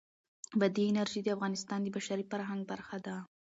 بادي انرژي د افغانستان د بشري فرهنګ برخه ده.